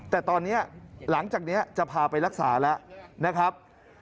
แต่ตอนนี้หลังจากนี้จะพาไปรักษาแล้วนะครับ